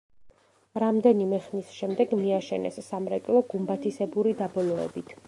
რამდენიმე ხნის შემდეგ მიაშენეს სამრეკლო გუმბათისებური დაბოლოებით.